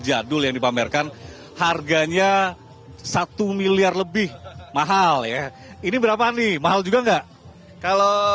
jadul yang dipamerkan harganya satu miliar lebih mahal ya ini berapa nih mahal juga enggak kalau